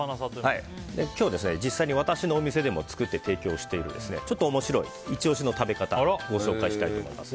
今日、実際に私のお店でも作って提供しているちょっと面白いイチ押しの食べ方を紹介します。